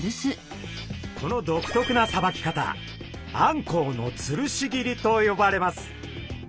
この独特なさばき方あんこうのつるし切りと呼ばれます。